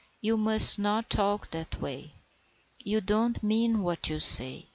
"You must not talk that way. You don't mean what you say."